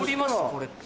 これって。